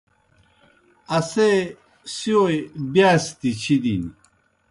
اسے سِیؤئے بِیاستِیْ چِھدِن۔